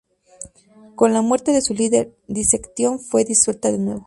Con la muerte de su líder, Dissection fue disuelta de nuevo.